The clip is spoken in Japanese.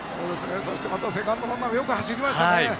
セカンドランナーもよく走りましたね。